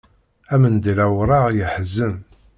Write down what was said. Amendil awraɣ yeḥzen.